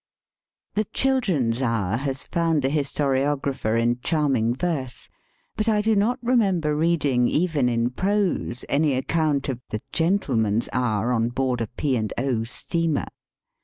*^The children's hour "has found a historio grapher in charming verse; but I do not remember reading, even in prose, any account of " the gentleman's hour " on board a P. and 0. steamer.